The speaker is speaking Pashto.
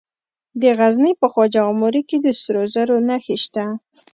د غزني په خواجه عمري کې د سرو زرو نښې شته.